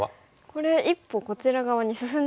これ一歩こちら側に進んでますね。